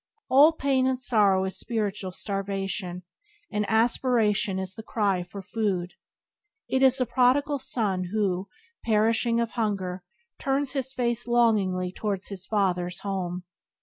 All pain and sorrow is spiritual starvation, and aspiration is the cry for food. It is the Prodigal Son who, perishing of hunger, turns his face longingly towards his Father's home.